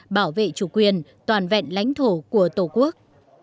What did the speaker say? bảo vệ chủ quyền toàn vẹn lãnh thổ của tổ quốc